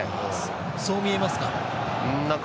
そう見えますか。